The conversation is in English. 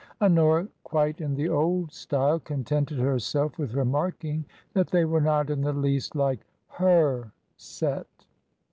Honora, quite in the old style, contented herself with remarking that they were not in the least like her " set."